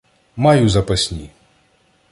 Маю запасні.